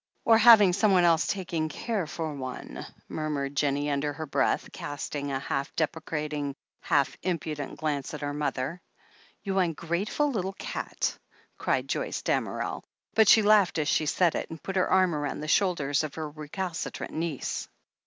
"Or having someone else taking care for one," mur mured Jennie under her breath, casting a half depre cating, half impudent glance at her mother. "You ungrateful little cat!" cried Joyce Damerel. But she laughed as she said it, and put her arm round the shoulders of her recalcitrant niece.